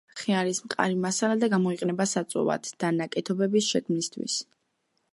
ხე არის მყარი მასალა და გამოიყენება საწვავად და ნაკეთობების შექმნისთვის.